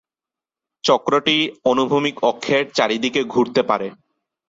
চক্রটি অনুভূমিক অক্ষের চারিদিকে ঘুরতে পারে।